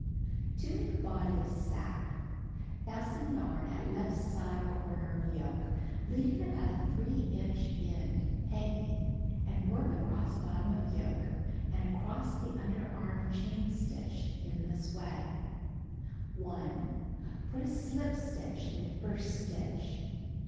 To Make Body of Sacque : Fasten yarn at left side corner of yoke leaving about a 3 inch end hanging and work across bottom of yoke and across the under arm chain stitch in this way: 1. Put 1 slip stitch in first stitch.